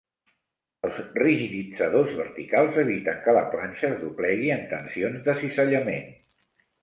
Els rigiditzadors verticals eviten que la planxa es doblegui en tensions de cisallament.